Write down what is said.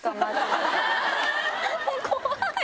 怖い。